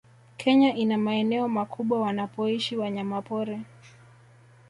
Kenya ina maeneo makubwa wanapoishi wanyamapori